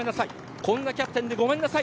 こんなキャプテンでごめんなさい。